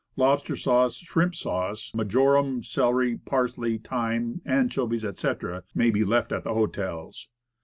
Lobster sauce, shrimp sauce, marjoram, celery, parsley, thyme, anchovies, etc., may be left at the hotels.